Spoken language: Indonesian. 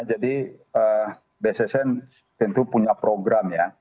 jadi bssn tentu punya program ya